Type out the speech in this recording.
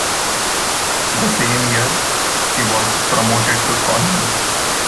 The same year, he was promoted to Colonel.